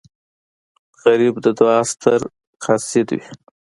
غریب د دعا ستر قاصد وي